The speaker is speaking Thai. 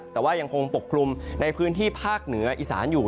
แต่ว่ายังคงปกคลุมในพื้นที่ภาคเหนืออีสานอยู่